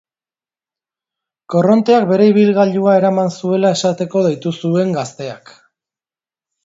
Korronteak bere ibilgailua eraman zuela esateko deitu zuen gazteak.